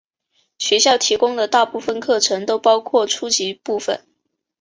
学校提供的大部分课程都包括初级部分。